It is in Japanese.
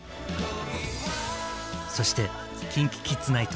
そして「ＫｉｎＫｉＫｉｄｓナイト！」